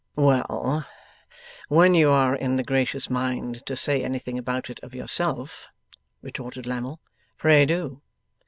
'Well, when you are in the gracious mind to say anything about it of yourself,' retorted Lammle, 'pray do.